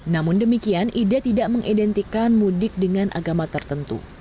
namun demikian ida tidak mengidentikan mudik dengan agama tertentu